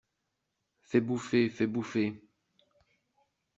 Fais bouffer ! fais bouffer !…